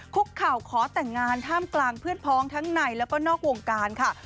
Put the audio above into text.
คุกเข่าขอแต่งงานท่ามกลางเพื่อนพ้องทั้งในแล้วก็นอกวงการค่ะ